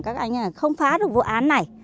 các anh không phá được vụ án này